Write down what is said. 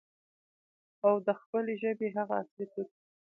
او د خپلې ژبې هغه اصلي توکي،